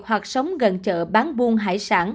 hoặc sống gần chợ bán buôn hải sản